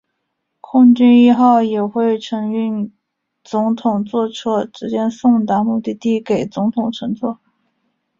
空军一号也会载运总统座车直接送达目的地给总统乘坐。